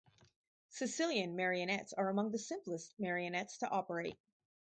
Sicilian marionettes are among the simplest marionettes to operate.